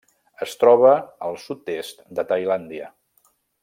Es troba al sud-est de Tailàndia.